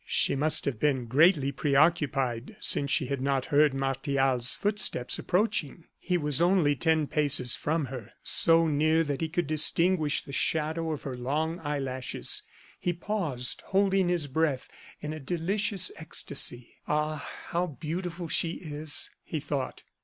She must have been greatly preoccupied, since she had not heard Martial's footsteps approaching. He was only ten paces from her, so near that he could distinguish the shadow of her long eyelashes. He paused, holding his breath, in a delicious ecstasy. "Ah! how beautiful she is!" he thought.